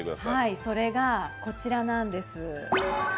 それはこちらなんです。